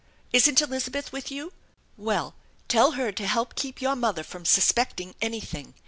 Isn't Elizabeth with you? Well, tell her to help keep your mother from suspecting anything.